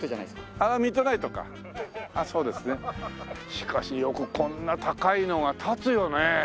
しかしよくこんな高いのが建つよね。